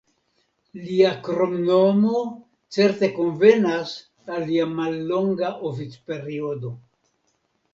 Lia kromnomo certe konvenas al lia mallonga oficperiodo.